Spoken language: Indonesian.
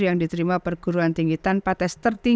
yang diterima perguruan tinggi tanpa tes tertinggi